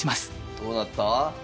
どうだった？